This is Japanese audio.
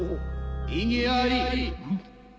・異議あり！